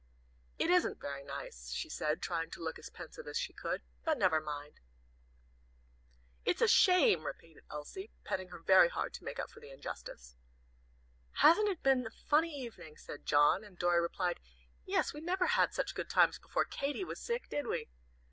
"It isn't very nice," she said, trying to look as pensive as she could, "but never mind." "It's a shame!" repeated Elsie, petting her very hard to make up for the injustice. "Hasn't it been a funny evening?" said John; and Dorry replied, "Yes; we never had such good times before Katy was sick, did we?"